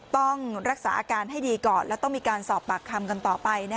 ต้องรักษาอาการให้ดีก่อนแล้วต้องมีการสอบปากคำกันต่อไป